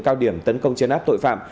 cao điểm tấn công chấn áp tội phạm